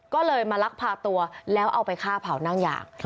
ก็เลยมาลักพาตัวแล้วเอาไปฆ่าเผานั่งยาง